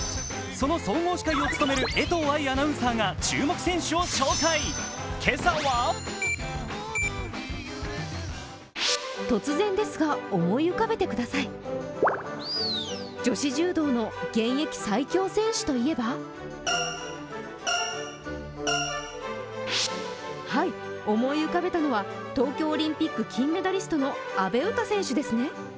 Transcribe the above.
その総合司会を務める江藤アナウンサーが注目選手を紹介、今朝ははい、思い浮かべたのは東京オリンピック金メダリストの阿部詩選手ですね。